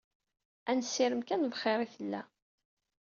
Ad nessirem kan bxir i tella.